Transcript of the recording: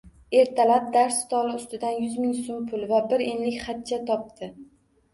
Ertalab dars stoli ustidan yuz ming soʻm pul va bir enlik xatcha topdi.